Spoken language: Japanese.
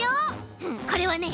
これはね